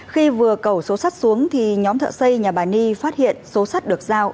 khi vừa cầu số sắt xuống thì nhóm thợ xây nhà bà nhi phát hiện số sắt được giao